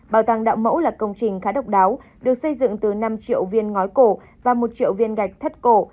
bảo tàng đạo mẫu là công trình khá độc đáo được xây dựng từ năm triệu viên ngói cổ và một triệu viên gạch thất cổ